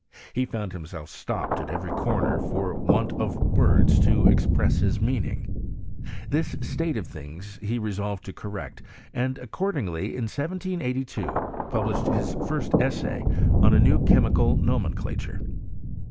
He found himself stopped at every corner for want of words to express his meaning. This state of things he resolved to correct, and accordingly in 1782 pub PROGEES8 or CHEMIgTRY IV FRAKCE. 183 lished bit first essay on a new chemical nomencla ture.